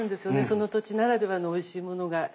その土地ならではのおいしいものが。